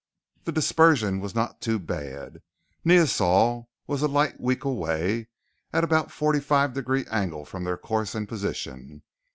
The dispersion was not too bad. Neosol was a light week away, at about a forty five degree angle from their course and position.